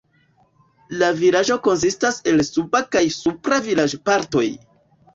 La vilaĝo konsistas el suba kaj supra vilaĝpartoj.